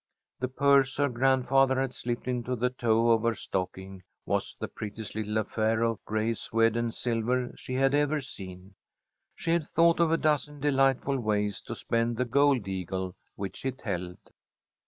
The purse her grandfather had slipped into the toe of her stocking was the prettiest little affair of gray suède and silver she had ever seen. She had thought of a dozen delightful ways to spend the gold eagle which it held.